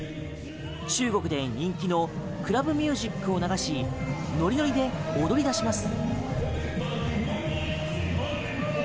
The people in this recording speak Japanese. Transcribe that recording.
中国で人気のクラブミュージックを流しノリノリで踊り出します。